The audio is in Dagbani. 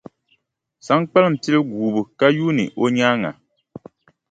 Saŋkpaliŋ pili guubu ka yuuni o nyaaŋa.